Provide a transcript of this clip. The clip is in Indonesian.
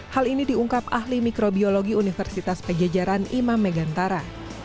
hal ini diungkap ahli mikrobiologi universitas pejajaran imam megantara